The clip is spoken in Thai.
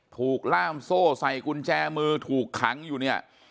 ถูกล่ามโซ่ใส่กุญแจมือถูกขังอยู่เนี่ย